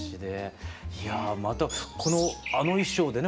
いやまたあの衣装でね